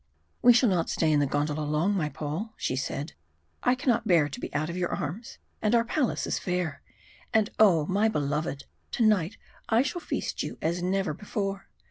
"We shall not stay in the gondola long, my Paul," she said. "I cannot bear to be out of your arms, and our palace is fair. And oh! my beloved, to night I shall feast you as never before.